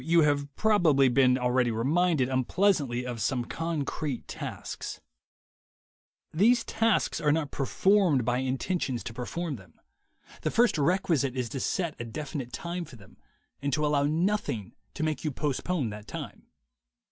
You have probably been already reminded unpleasantly of some concrete tasks. These tasks are not performed by intentions to 122 THE WAY TO WILL POWER perform them. The first requisite is to set a definite time for them, and to allow nothing to make you postpone that time.